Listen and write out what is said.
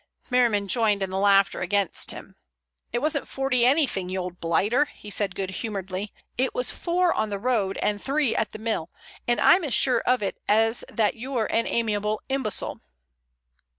Merriman joined in the laughter against him. "It wasn't forty anything, you old blighter," he said good humoredly. "It was 4 on the road, and 3 at the mill, and I'm as sure of it as that you're an amiable imbecile."